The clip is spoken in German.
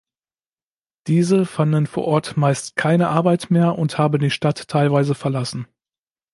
Diese fanden vor Ort meist keine Arbeit mehr und haben die Stadt teilweise verlassen.